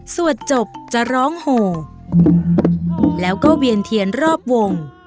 สวดจบจะร้องโหแล้วก็เวียนเทียนรอบวง